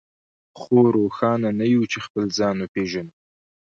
خو روښانه نه يو چې خپل ځان وپېژنو.